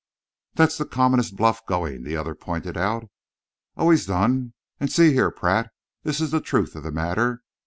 "That's the commonest bluff going," the other pointed out. "Always done. And see here, Pratt, this is the truth of the matter.